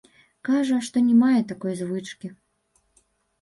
Кажа, што не мае такой звычкі.